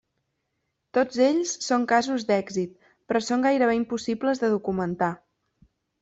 Tots ells són casos d'èxit, però són gairebé impossibles de documentar.